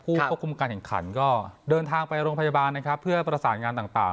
ควบคุมการแข่งขันก็เดินทางไปโรงพยาบาลนะครับเพื่อประสานงานต่าง